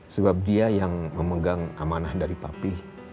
sebab dia yang memegang amanah dari papi